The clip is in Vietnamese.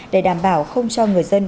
để đảm bảo không cho người dân